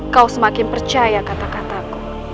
kau semakin percaya kata kataku